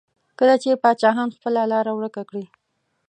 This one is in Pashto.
کله چې پاچاهان خپله لاره ورکه کړي.